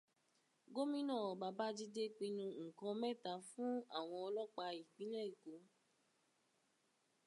Gómìnà Babajide pinu nǹkan mẹ́ta fún àwọn ọlọ́pàá ìpińlẹ̀ Èkó.